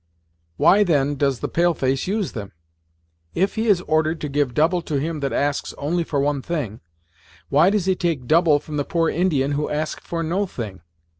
"Why then does the pale face use them? If he is ordered to give double to him that asks only for one thing, why does he take double from the poor Indian who ask for no thing.